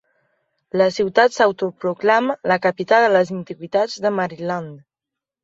La ciutat s'autoproclama la "Capital de les antiguitats de Maryland".